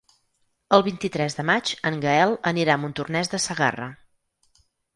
El vint-i-tres de maig en Gaël anirà a Montornès de Segarra.